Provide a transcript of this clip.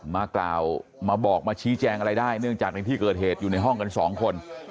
มากล่าวมาบอกมาชี้แจงอะไรได้เนื่องจากในที่เกิดเหตุอยู่ในห้องกันสองคน